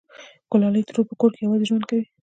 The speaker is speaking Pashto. گلالۍ ترور په کور کې یوازې ژوند کوي